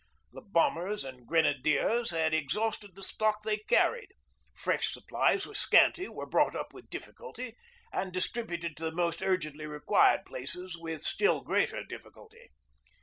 The bombers and 'grenadiers' had exhausted the stock they carried; fresh supplies were scanty, were brought up with difficulty, and distributed to the most urgently required places with still greater difficulty.